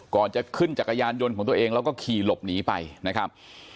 ก่อนจะขึ้นจักรยานยนต์ของตัวเองแล้วก็ขี่หลบหนีไปนะครับ